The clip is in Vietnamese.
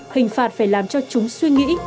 hình phạt phải làm cho chúng suy nghĩ